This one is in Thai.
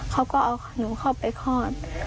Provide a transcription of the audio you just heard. เขาก็เอาหนูเข้าไปคลอด